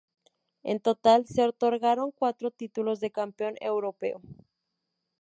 En total se otorgaron cuatro títulos de campeón europeo.